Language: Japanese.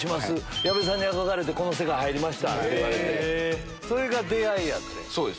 矢部さんに憧れてこの世界入りましたって言われて、そうです。